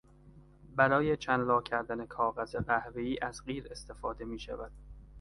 برای چند لا کردن کاغذ قهوهای از قیر استفاده میشود.